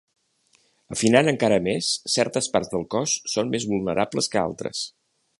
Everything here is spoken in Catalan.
Afinant encara més, certes parts del cos són més vulnerables que altres.